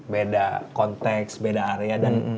beda konteks beda area dan